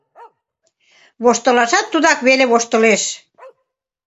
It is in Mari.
Воштылашат тудак веле воштылеш.